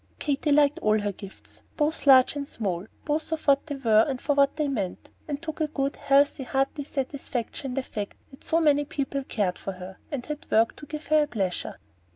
Katy liked all her gifts, both large and small, both for what they were and for what they meant, and took a good healthy, hearty satisfaction in the fact that so many people cared for her, and had worked to give her a pleasure.